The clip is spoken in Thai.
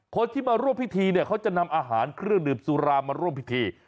คนที่มาร่วมพิธีเนี่ยเขาจะนำอาหารเครื่องดื่มสุรามาร่วมพิธี